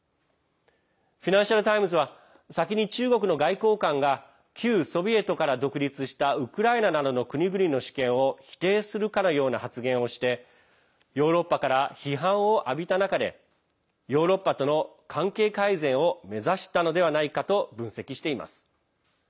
フィナンシャル・タイムズは先に中国の外交官が旧ソビエトから独立したウクライナなどの国々の主権を否定するかのような発言をしてヨーロッパから批判を浴びた中でヨーロッパとの関係改善を目指したのではないかと分析しています。